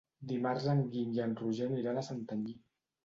Dimarts en Guim i en Roger aniran a Santanyí.